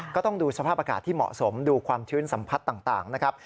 ก็ต้องดูสภาพอากาศที่เหมาะสมดูความชื้นสัมผัสต่างนะครับ